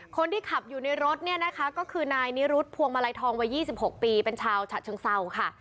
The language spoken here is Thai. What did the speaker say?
คนที่ขับอยู่ในรถเนี่ยนะคะก็คือนายนิรุธพวงมาลัยทองวัย๒๖ปีเป็นชาวฉะเชิงเศร้าค่ะ